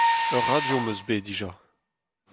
Ur radio am eus bet dija.